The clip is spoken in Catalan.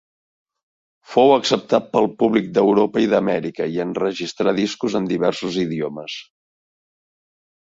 Fou acceptat pel públic d'Europa i d'Amèrica, i enregistrà discos en diversos idiomes.